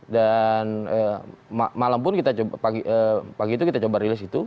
dan malam pun kita coba pagi itu kita coba rilis itu